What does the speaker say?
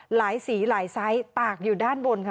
สีหลายไซส์ตากอยู่ด้านบนค่ะ